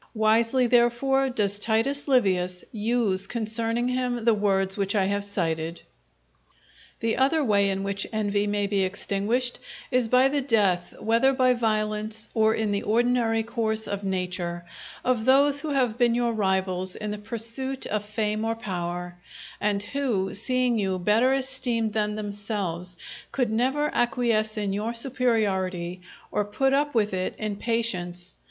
Wisely, therefore, does Titus Livius use concerning him the words which I have cited. The other way in which envy may be extinguished, is by the death, whether by violence or in the ordinary course of nature, of those who have been your rivals in the pursuit of fame or power, and who seeing you better esteemed than themselves, could never acquiesce in your superiority or put up with it in patience.